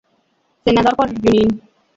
Senador por Junín.